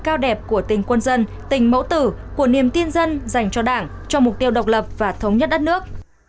cao đẹp của tình quân dân tình mẫu tử của niềm tin dân dành cho đảng cho mục tiêu độc lập và thống nhất đất nước